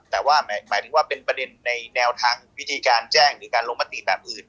แต่ว่าหมายถึงว่าเป็นประเด็นในแนวทางวิธีการแจ้งหรือการลงมติแบบอื่น